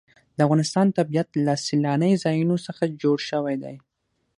د افغانستان طبیعت له سیلانی ځایونه څخه جوړ شوی دی.